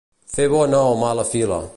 Fer bona o mala fila.